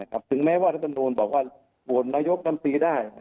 ถึงแม้ว่าท่านนวลบอกว่าโหวนนายกกันศรีได้